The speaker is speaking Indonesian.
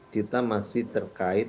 kita masih terkait